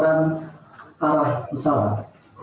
paling ke arah pesawat